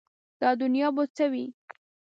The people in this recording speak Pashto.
دا دنیا به څه وي ؟